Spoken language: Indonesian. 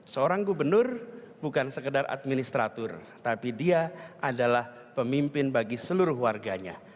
seorang gubernur bukan sekedar administrator tapi dia adalah pemimpin bagi seluruh warganya